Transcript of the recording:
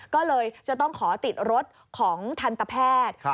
ก็เลยจะต้องขอติดรถของทันตแพทย์